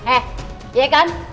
eh ya kan